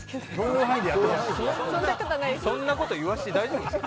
そんなこと言わして大丈夫？